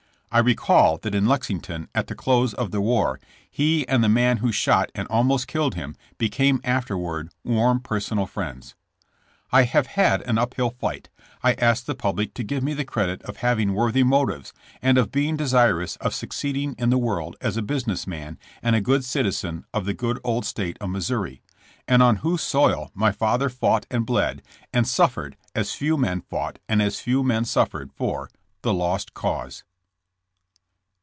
I recall that in Lexington, at the close of the war, he and the man who shot and almost killed him became after ward warm personal friends. I have had an uphill fight. I ask the public to give me the credit of having worthy motives, and of being desirous of succeeding in the world as a busi ness man and a good citizen of the good old State of Missouri, on whose soil my iather fought and bled and suffered as few men fought and as few men suffered for THE LOST CAUSE.